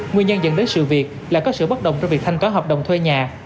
nguyên nhân dẫn đến sự việc là có sự bất đồng trong việc thanh toán hợp đồng thuê nhà